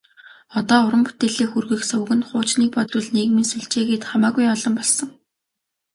Одоо уран бүтээлээ хүргэх суваг нь хуучныг бодвол нийгмийн сүлжээ гээд хамаагүй олон болсон.